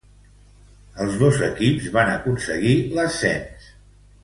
Els dos equips van aconseguir l'ascens.